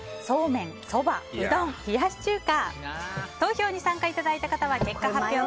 そうめん、そば、うどん冷やし中華？